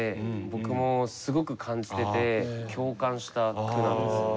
僕もすごく感じてて共感した句なんですよ。